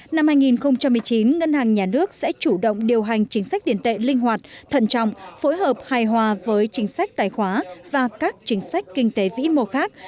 năm hai nghìn một mươi chín ngân hàng nhà nước sẽ chủ động điều hành chính sách tiền tệ linh hoạt thận trọng phối hợp hài hòa với chính sách tài khoá và các chính sách kinh tế vĩ mô khác